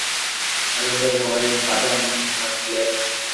আনন্দময়ী বাধা মানিলেন না।